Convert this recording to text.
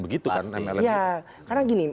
begitu kan mlm itu